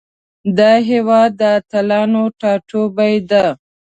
دا هیواد د اتلانو ټاټوبی ده.